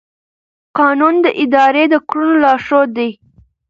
قانون د ادارې د کړنو لارښود دی.